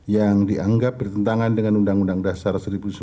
yang dianggap bertentangan dengan undang undang dasar seribu sembilan ratus empat puluh